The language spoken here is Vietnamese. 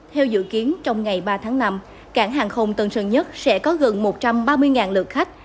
theo dự kiến trong ngày ba tháng năm cảng hàng không tân sơn nhất sẽ có gần một trăm ba mươi lượt khách